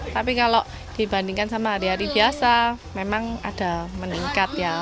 tapi kalau dibandingkan sama hari hari biasa memang ada meningkat ya